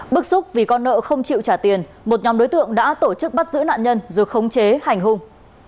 bức xúc vì con nợ không chịu trả tiền một nhóm đối tượng đã tổ chức bắt giữ nạn nhân rồi khống chế hành hung